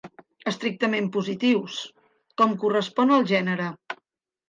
Estrictament positius, com correspon al gènere.